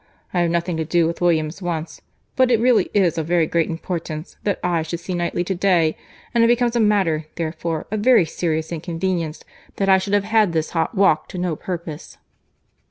I have nothing to do with William's wants, but it really is of very great importance that I should see Knightley to day; and it becomes a matter, therefore, of very serious inconvenience that I should have had this hot walk to no purpose."